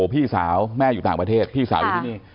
พี่สาวแม่อยู่ต่างประเทศพี่สาวอยู่ที่นี่